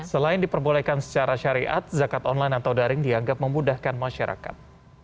selain diperbolehkan secara syariat zakat online atau daring dianggap memudahkan masyarakat